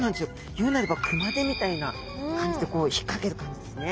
言うなれば熊手みたいな感じでこう引っかける感じですね。